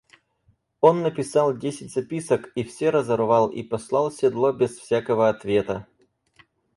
Он написал десять записок и все разорвал и послал седло без всякого ответа.